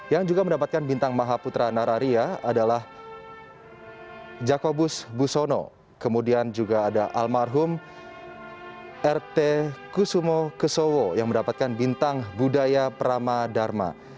yang juga mendapatkan bintang mahaputra nararia adalah jakobus busono kemudian juga ada almarhum r t kusumo kesowo yang mendapatkan bintang budaya parama dharma